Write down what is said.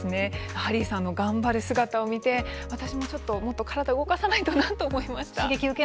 ハリーさんの頑張る姿を見て私もちょっと体を動かさないとなと思いました。